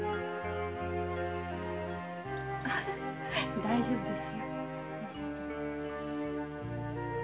大丈夫ですよ。